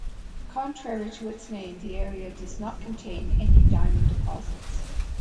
Contrary to its name, the area does not contain any diamond deposits.